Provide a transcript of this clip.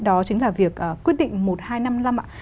đó chính là việc quyết định một hai năm năm